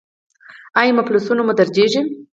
ایا مفصلونه مو دردیږي؟